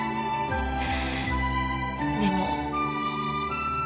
でも。